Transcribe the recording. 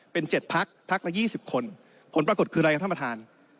เป็นเจ็ดพักพักละยี่สิบคนผลปรากฏคืออะไรต่ามกระทัน